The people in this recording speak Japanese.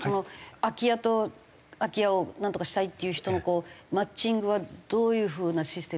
空き家と空き家をなんとかしたいっていう人のマッチングはどういう風なシステムになってるんですか？